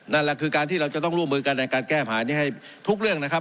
นั่นแหละคือการที่เราจะต้องร่วมมือกันในการแก้ปัญหานี้ให้ทุกเรื่องนะครับ